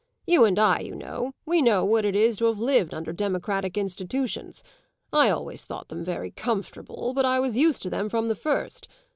You and I, you know, we know what it is to have lived under democratic institutions: I always thought them very comfortable, but I was used to them from the first.